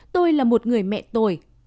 tôi là một người mẹ tôi